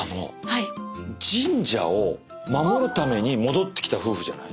神社を守るために戻ってきた夫婦じゃない？